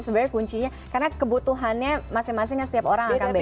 sebenarnya kuncinya karena kebutuhannya masing masingnya setiap orang akan beda